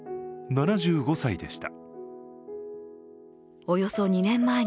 ７５歳でした。